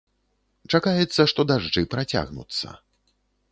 Чакаецца, што дажджы працягнуцца.